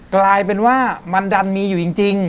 กลายเป็นว่ามันดันมีอยู่จริง